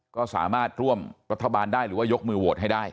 ก็สามารถร่วมรัฐบาลได้หรือว่ายกมือโหวตให้ได้